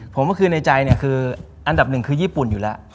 ผมก็คือในใจเนี่ยคืออันดับหนึ่งคือญี่ปุ่นอยู่แล้ว